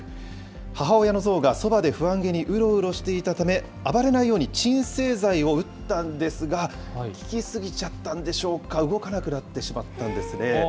母親の象がそばで不安げにうろうろしていたため、暴れないように鎮静剤を打ったんですが、効き過ぎちゃったんでしょうか、動かなくなってしまったんですね。